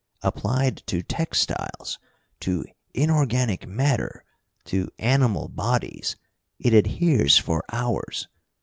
Applied to textiles, to inorganic matter, to animal bodies, it adheres for hours.